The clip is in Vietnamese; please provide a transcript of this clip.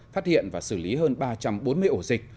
phát hiện và xử lý hơn ba trăm bốn mươi ổ dịch